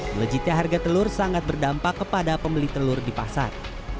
melejitnya harga telur sangat berdampak kepada pembeli telur di pasar